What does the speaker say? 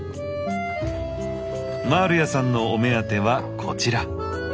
マールヤさんのお目当てはこちら！